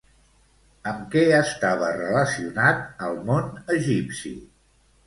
Amb què estava relacionat al món egipci?